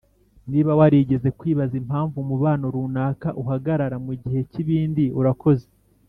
niba warigeze kwibaza impamvu umubano runaka uhagarara mugihe cyibindi urakoze